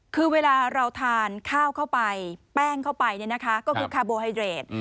คือเวลาเราทานข้าวเข้าไปแป้งเข้าไปก็คือคาโบไฮเดรด